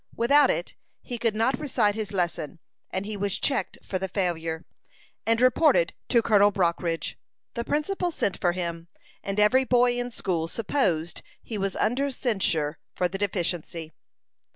Without it, he could not recite his lesson, and he was checked for the failure, and reported to Colonel Brockridge. The principal sent for him, and every boy in school supposed he was under censure for the deficiency.